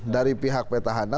dari pihak petahana